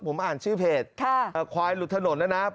ผมอ่านชื่อเพจควายหลุดถนนนะครับ